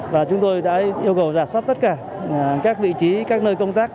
và chúng tôi đã yêu cầu giả sát tất cả các vị trí các nơi công tác